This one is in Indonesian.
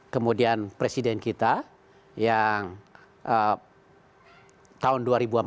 kemudian presiden kita yang tahun dua ribu empat belas